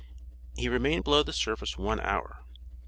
He remained below the surface one hour.